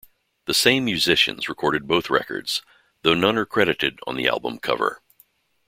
The same musicians recorded both records, though none are credited on the album cover.